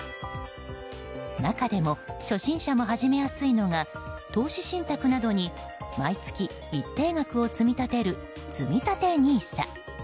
中でも初心者も始めやすいのが投資信託などに毎月一定額を積み立てるつみたてＮＩＳＡ。